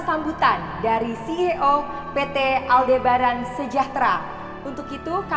ya udah selesai dahulu gia